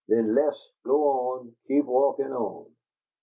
Then le'ss go on Keep walkin' on!